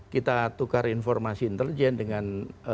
kita tukar informasi intelijen dengan